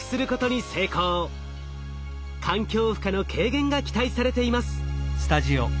環境負荷の軽減が期待されています。